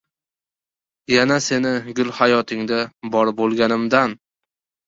Yana seni gul hayotingda, bor bo‘lganimdan